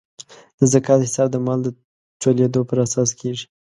د زکات حساب د مال د ټولیدو پر اساس کیږي.